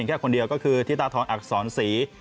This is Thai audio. แค่คนเดียวก็คือธิตาทองอักษรศรี